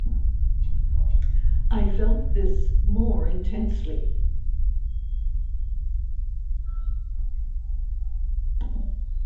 I felt this more intensely.